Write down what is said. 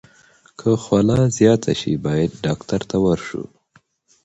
که خوله زیاته شي، باید ډاکټر ته ورشو.